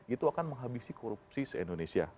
itu akan menghabisi korupsi se indonesia